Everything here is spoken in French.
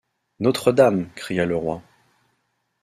Notre-Dame! cria le roi.